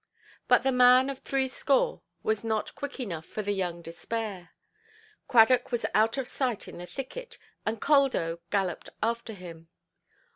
But the man of threescore was not quick enough for the young despair. Cradock was out of sight in the thicket, and Caldo galloped after him.